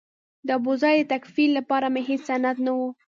د ابوزید د تکفیر لپاره مې هېڅ سند نه و.